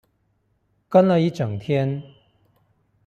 跟了一整天